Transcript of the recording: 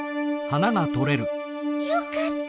よかった。